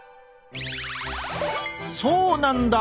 そうなんだ！